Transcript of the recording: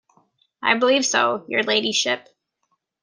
I believe so, your ladyship.